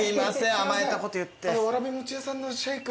甘えたこと言って。